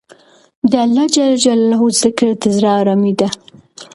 د اللهﷻ ذکر د زړه ارامي ده.